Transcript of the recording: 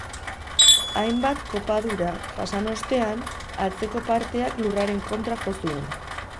Hainbat kopadura jasan ostean, atzeko parteak lurraren kontra jo zuen.